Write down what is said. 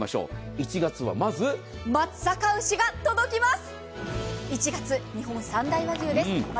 １月は松阪牛が届きます。